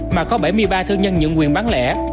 mà có bảy mươi ba thương nhân nhượng quyền bán lẻ